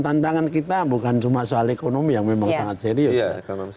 tantangan kita bukan cuma soal ekonomi yang memang sangat serius ya